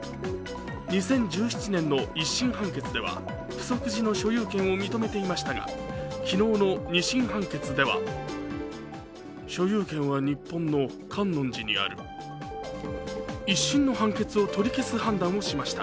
２０１７年の１審判決ではプソク寺の所有権を認めていましたが、昨日の２審判決では１審の判決を取り消す判断をしました。